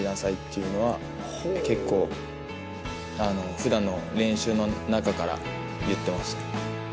普段の練習の中から言ってましたね。